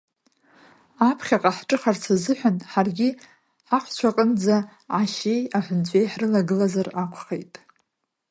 Аԥхьаҟа ҳҿыхарц азыҳәан, ҳаргьы ҳахәцәаҟынӡа ашьеи аҳәынҵәеи ҳрылагылазар акәхеит.